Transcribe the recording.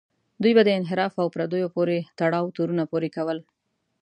دوی به د انحراف او پردیو پورې تړاو تورونه پورې کول.